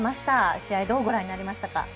試合、どうご覧になりましたか。